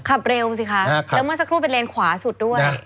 ขับเร็วสิคะแล้วเมื่อสักครู่เป็นเลนขวาสุดด้วย